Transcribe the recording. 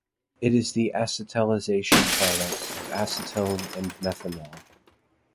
It is the acetalisation product of acetone and methanol.